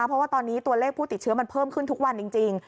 เพราะว่าตอนนี้ตัวเลขผู้ติดเชื้อมันเพิ่มขึ้นทุกวันจริง